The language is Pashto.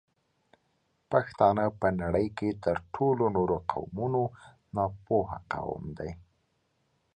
پښتانه په نړۍ کې تر ټولو نورو قومونو ناپوه قوم دی